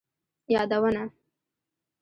یادونه: